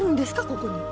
ここに。